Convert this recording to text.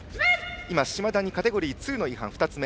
今、嶋田にカテゴリー２の違反が２つ目。